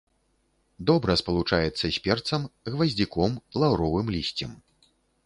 Добра спалучаецца з перцам, гваздзіком, лаўровым лісцем.